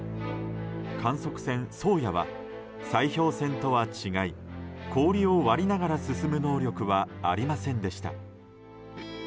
観測船「宗谷」は砕氷船とは違い氷を割りながら進む能力はありませんでした。